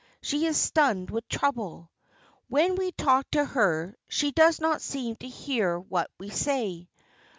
She is stunned with trouble. When we talk to her, she does not seem to hear what we say.